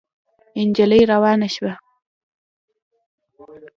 نجلۍ روانه شوه.